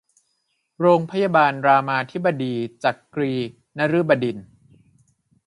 โรงพยาบาลรามาธิบดีจักรีนฤบดินทร์